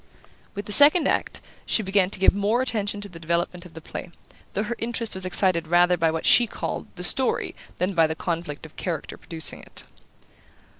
With the second act she began to give more attention to the development of the play, though her interest was excited rather by what she called "the story" than by the conflict of character producing it.